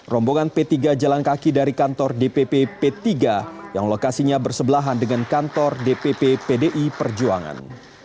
rombongan p tiga jalan kaki dari kantor dpp p tiga yang lokasinya bersebelahan dengan kantor dpp pdi perjuangan